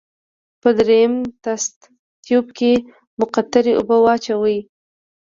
په دریم تست تیوب کې مقطرې اوبه واچوئ.